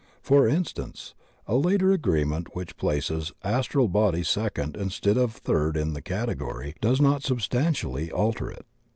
For instance, a later arrangement which places Astral body second instead of third in the category does not substantially alter it.